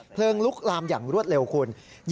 ลุกลามอย่างรวดเร็วคุณ